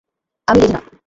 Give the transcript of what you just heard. আমি রেডি না।